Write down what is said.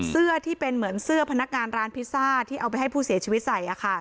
เสื้อที่เป็นเหมือนเสื้อพนักงานร้านพิซซ่าที่เอาไปให้ผู้เสียชีวิตใส่